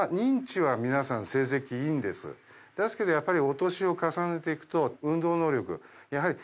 ですけどやっぱり。